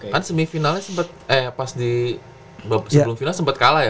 kan semifinalnya sempet eh pas di babak sebelum final sempet kalah ya